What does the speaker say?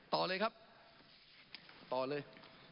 ต่อเลยครับต่อเลย